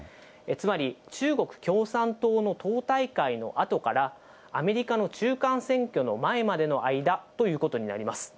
つまり、中国共産党の党大会のあとから、アメリカの中間選挙の前までの間ということになります。